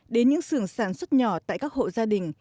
đến những sưởng sản xuất nhỏ tại các hộ gia đình